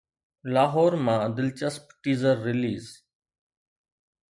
لاهور مان دلچسپ teaser release